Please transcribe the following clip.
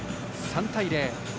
３対０。